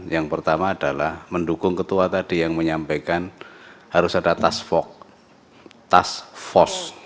yang pertama adalah mendukung ketua tadi yang menyampaikan harus ada task force task force